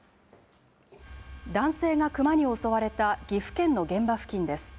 男性がクマに襲われた岐阜県の現場付近です。